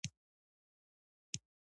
قاتل باید عدل ته وسپارل شي